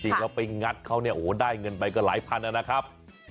เราไปงัดเขาเนี่ยโอ้โหได้เงินไปก็หลายพันนะครับ